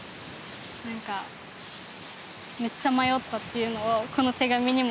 なんかめっちゃ迷ったっていうのをこの手紙にもすごい書いてて。